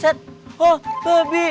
set oh babi